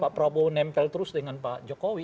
pak prabowo nempel terus dengan pak jokowi